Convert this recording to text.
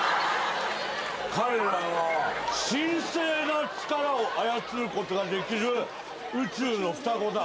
彼らは神聖な力を操ることができる宇宙の双子だ。